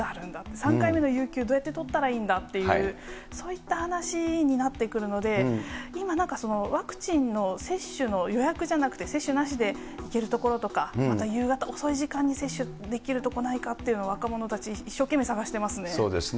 ３回目の有給どうやって取ったらいいんだという、そういった話になってくるので、今なんかワクチンの接種の予約じゃなくて、接種なしでいけるところとか、あと夕方、遅い時間に接種できるとこないかっていうのを若者たち、一生懸命探してますね。